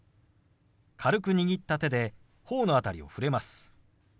軽く握った手で頬の辺りを触れます。